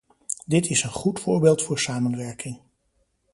Dit is een goed voorbeeld voor samenwerking.